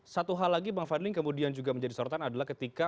satu hal lagi bang fadli kemudian juga menjadi sorotan adalah ketika